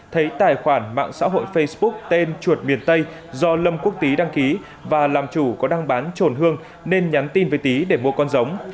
thấy tài khoản mạng xã hội facebook tên chuột miền tây do lâm quốc tý đăng ký và làm chủ có đăng bán trồn hương nên nhắn tin với tý để mua con giống